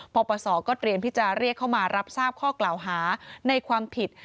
ปปศก็เตรียมที่จะเรียกเข้ามารับทราบข้อกล่าวหาในความผิด